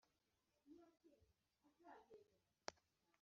ubu ngubu narashaje rwose.